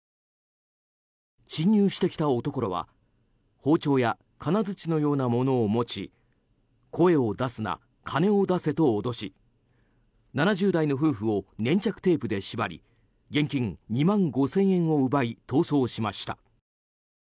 侵入してきた男らは包丁や金づちのようなものを持ち声を出すな、金を出せと脅し７０代の夫婦を粘着テープで縛り現金２万５０００円を奪い逃走しました。